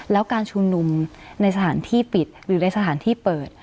แล้วการชุมนุมในสถานที่ปิดหรือในสถานที่เปิด